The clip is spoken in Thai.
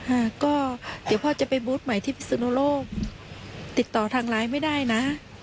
อ่าก็เดี๋ยวพ่อจะไปบูธใหม่ที่พิสุนโลกติดต่อทางไลน์ไม่ได้นะ